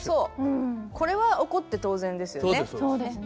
これは怒って当然ですよね。